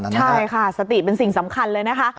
ใช่ค่ะสติเป็นสิ่งสำคัญเลยนะคะ